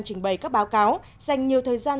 trình bày các báo cáo dành nhiều thời gian